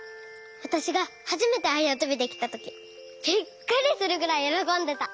わたしがはじめてあやとびできたときびっくりするぐらいよろこんでた。